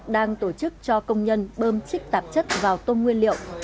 đang tổ chức cho công nhân bơm chích tạp chất vào tôm nguyên liệu